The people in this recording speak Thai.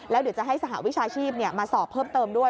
แล้วเดี๋ยวจะให้สหวิชาชีพมาสอบเพิ่มเติมด้วย